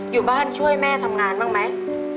อยู่บ้านช่วยแม่ทำงานบ้างไหม